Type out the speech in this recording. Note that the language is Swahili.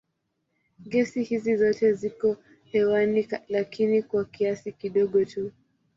Gesi hizi zote ziko hewani lakini kwa kiasi kidogo tu.